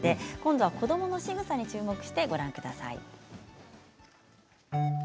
子どものしぐさに注目してご覧ください。